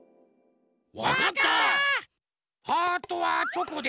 ハートはチョコで。